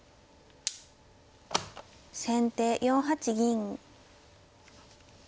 先手４八銀。